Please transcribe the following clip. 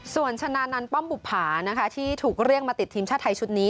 ส่วนชนะนันต์ป้อมบุภานะคะที่ถูกเรียกมาติดทีมชาติไทยชุดนี้